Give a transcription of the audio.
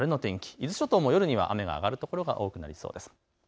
伊豆諸島も夜には雨が上がる所が多くなりそうです。